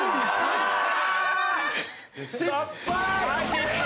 失敗。